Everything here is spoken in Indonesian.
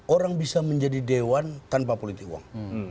orang bisa menjadi dewan tanpa politik uang